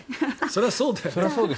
そりゃそうだよ。